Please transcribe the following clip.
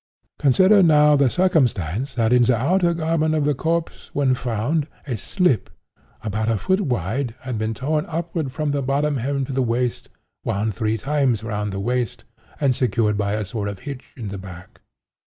"Consider now the circumstance that in the outer garment of the corpse when found, 'a slip, about a foot wide had been torn upward from the bottom hem to the waist wound three times round the waist, and secured by a sort of hitch in the back.